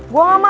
gue gak mau